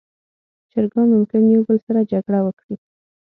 چرګان ممکن یو بل سره جګړه وکړي.